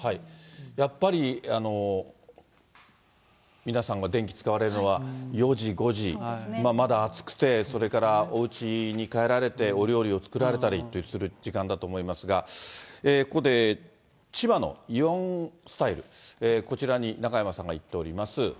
やっぱり、皆さんが電気使われるのは、４時、５時、まだ暑くて、それからおうちに帰られて、お料理を作られたりする時間だと思いますが、ここで千葉のイオンスタイル、こちらに中山さんが行っております。